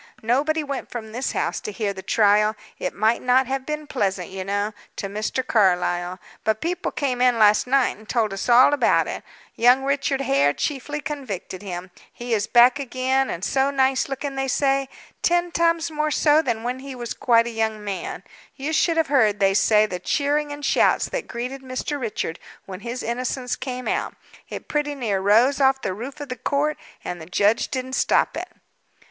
Nobody went from this house to hear the trial it might not have been pleasant, you know, to Mr. Carlyle; but people came in last night and told us all about it. Young Richard Hare chiefly convicted him. He is back again, and so nice looking, they say ten times more so than he was when quite a young man. You should have heard, they say, the cheering and shouts that greeted Mr. Richard when his innocence came out; it pretty near rose off the roof of the court, and the judge didn't stop it."